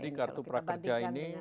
jadi kartu prakerja ini